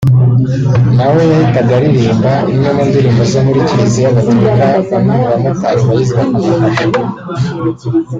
» Na we yahitaga aririmba imwe mu ndirimbo zo muri kiriziya gaturika bamwe mu bamotari bayizi bakamufasha